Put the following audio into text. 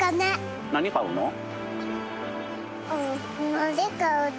何買うの？